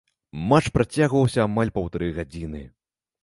Матч працягваўся амаль паўтары гадзіны.